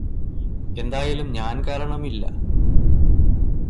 എന്തായാലും ഞാന് കാരണം ഇല്ല